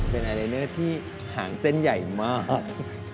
เป็นไอเลน่อที่หางเส้นใหญ่มาก